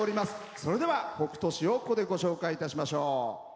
それでは北斗市をここで、ご紹介いたしましょう。